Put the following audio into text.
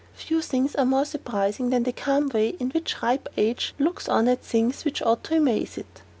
Few things are more surprising than the calm way in which ripe age looks on at things which ought to amaze it.